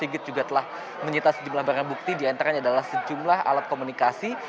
sigit juga telah menyita sejumlah barang bukti diantaranya adalah sejumlah alat komunikasi